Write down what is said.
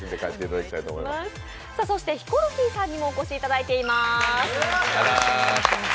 そして、ヒコロヒーさんにもお越しいただいています。